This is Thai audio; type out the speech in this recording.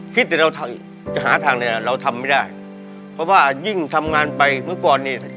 คิดแต่เราจะหาทางใดเราทำไม่ได้เพราะว่ายิ่งทำงานไปเมื่อก่อนนี้